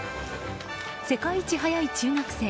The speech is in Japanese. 世界一速い中学生